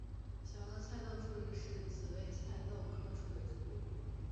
小萼菜豆树是紫葳科菜豆树属的植物。